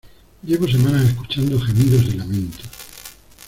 llevo semanas escuchando gemidos y lamentos